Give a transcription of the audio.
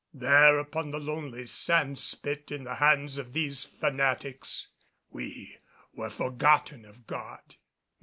There, upon the lonely sand spit in the hands of these fanatics, we were forgotten of God.